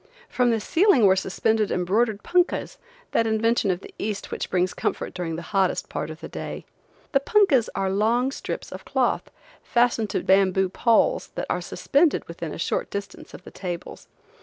From the ceiling were suspended embroidered punkas, that invention of the East which brings comfort during the hottest part of the day. The punkas are long strips of cloth, fastened to bamboo poles that are suspended within a short distance of the tables.